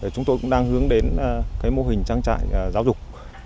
chúng tôi cũng đang hướng đến mô hình trang trại giáo dục